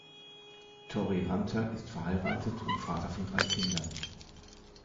Torii Hunter ist verheiratet und Vater von drei Kindern.